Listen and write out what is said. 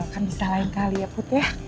kan bisa lain kali ya put ya